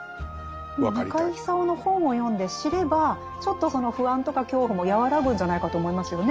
中井さんの本を読んで知ればちょっとその不安とか恐怖も和らぐんじゃないかと思いますよね。